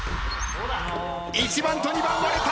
１番と２番割れた。